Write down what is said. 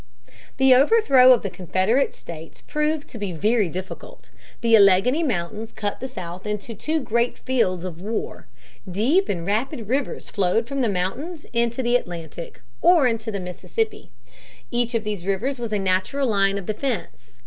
The overthrow of the Confederate states proved to be very difficult. The Alleghany Mountains cut the South into two great fields of war. Deep and rapid rivers flowed from the mountains into the Atlantic or into the Mississippi. Each of these rivers was a natural line of defense.